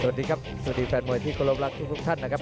สวัสดีครับสวัสดีแฟนมวยที่เคารพรักทุกท่านนะครับ